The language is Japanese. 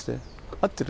合ってる？